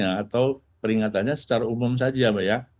atau peringatannya secara umum saja ya pak ya